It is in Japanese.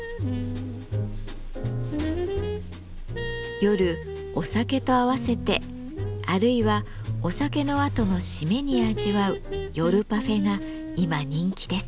夜お酒と合わせてあるいはお酒のあとの締めに味わう「夜パフェ」が今人気です。